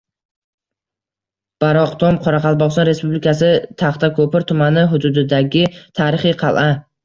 Baroqtom – Qoraqalpog‘iston Respublikasi Taxtako‘pir tumani hududidagi tarixiy qal’a.